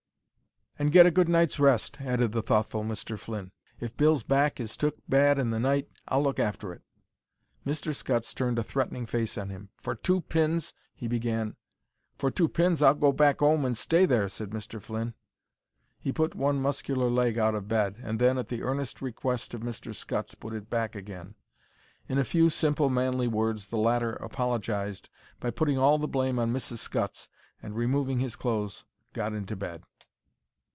"And get a good night's rest," added the thoughtful Mr. Flynn. "If Bill's back is took bad in the night I'll look after it." Mr. Scutts turned a threatening face on him. "For two pins—" he began. "For two pins I'll go back 'ome and stay there," said Mr. Flynn. He put one muscular leg out of bed, and then, at the earnest request of Mr. Scutts, put it back again. In a few simple, manly words the latter apologized, by putting all the blame on Mrs. Scutts, and, removing his clothes, got into bed.